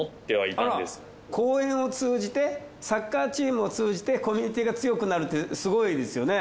あら公園を通じてサッカーチームを通じてコミュニティーが強くなるってすごいですよね。